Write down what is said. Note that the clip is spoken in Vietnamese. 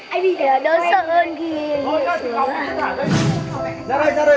anh bị đỡ sợ hơn kìa